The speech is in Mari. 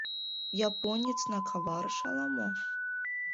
Японецна каварыш ала-мо?